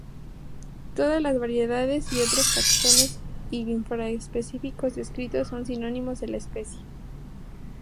Todas las variedades y otros taxones infra-específicos descritos son sinónimos de la especie.